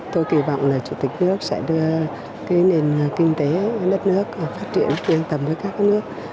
tôi kỳ vọng chủ tịch nước sẽ đưa nền kinh tế đất nước phát triển tiêu thẩm với các nước